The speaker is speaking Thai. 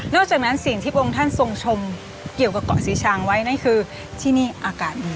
จากนั้นสิ่งที่พระองค์ท่านทรงชมเกี่ยวกับเกาะศรีชางไว้นั่นคือที่นี่อากาศ